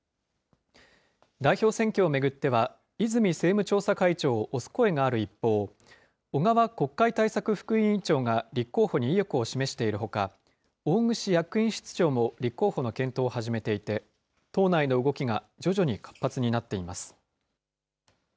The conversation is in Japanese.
代表選挙を巡っては、泉政務調査会長を推す声がある一方、小川国会対策副委員長が立候補に意欲を示しているほか、大串役員室長も立候補の検討を始めていて、党内の動きが徐々に活発になっています。